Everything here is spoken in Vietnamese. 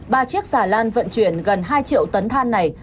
ba chiếc xà lan vận chuyển gần hai triệu tấn than này